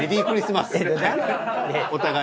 お互い。